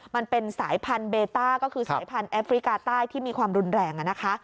มันเป็นสายพันธุเบต้าก็คือสายพันธุแอฟริกาใต้ที่มีความรุนแรงนะคะ